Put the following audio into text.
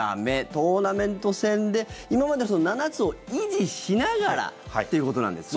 トーナメント戦で今までの７つを維持しながらっていうことなんですね。